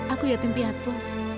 aku yatim piatu